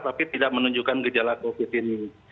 tapi tidak menunjukkan gejala covid ini